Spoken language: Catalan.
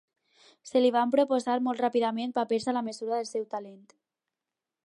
Se li van proposar molt ràpidament papers a la mesura del seu talent.